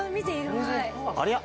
ありゃ？